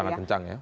sangat kencang ya